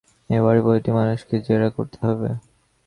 এ-বাড়ির প্রতিটি মানুষকে জেরা করতে হবে!